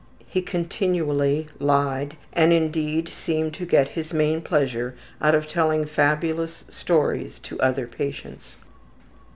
He continually lied and, indeed, seemed to get his main pleasure out of telling fabulous stories to the other patients.